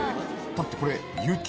だってこれ。